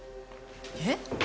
えっ？